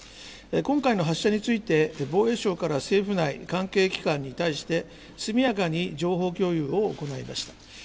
今回の発射について、防衛省から政府内、関係機関に対して、速やかに情報共有を行いました。